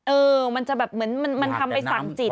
เออมันจะแบบเหมือนมันทำไปสั่งจิต